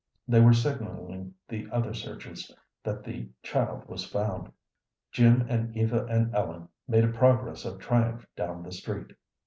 They were signalling the other searchers that the child was found. Jim and Eva and Ellen made a progress of triumph down the street.